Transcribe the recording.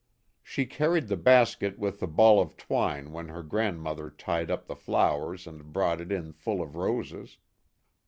She carried the basket with the ball of twine when her grandmother tied up the flowers and brought it in full of roses.